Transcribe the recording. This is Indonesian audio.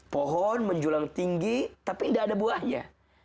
pohon menjulang tinggi tapi tidak ada buahnya